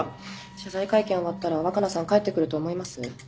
謝罪会見終わったら若菜さん帰ってくると思います？